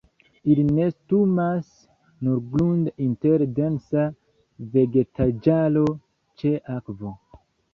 Ili nestumas surgrunde inter densa vegetaĵaro ĉe akvo.